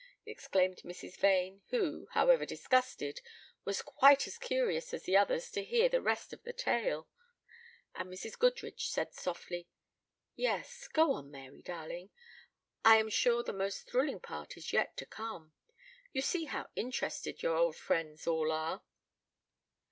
exclaimed Mrs. Vane, who, however disgusted, was quite as curious as the others to hear the rest of the tale. And Mrs. Goodrich said softly: "Yes, go on, Mary, darling. I am sure the most thrilling part is yet to come. You see how interested your old friends all are."